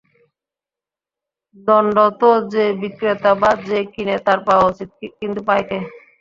দন্ডতো যে বিক্রেতা বা যে কিনে তার পাওয়া উচিত, কিন্তু পায় কে?